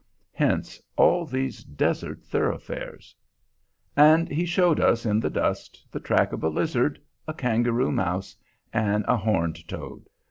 Hence all these desert thoroughfares." And he showed us in the dust the track of a lizard, a kangaroo mouse, and a horned toad.